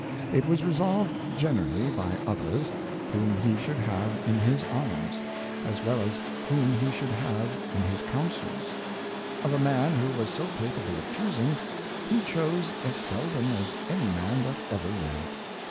It was resolved generally by others, whom he should have in his Arms, as well as whom he should have in his Councils. Of a Man who was so capable of choosing, he chose as seldom as any Man that ever lived.